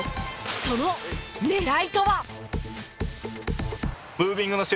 その狙いとは？